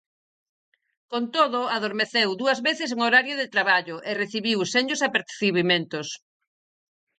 Con todo, adormeceu dúas veces en horario de traballo e recibiu senllos apercibimentos.